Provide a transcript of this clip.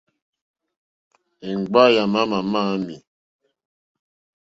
Èŋɡbâ yà má màmâ ámì.